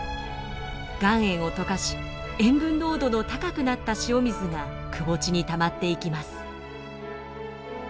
岩塩を溶かし塩分濃度の高くなった塩水がくぼ地にたまっていきます。